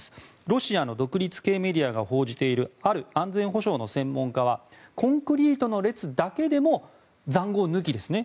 ロシアの独立系メディアが報じているある安全保障の専門家はコンクリートの列だけでも塹壕抜きで、ですね。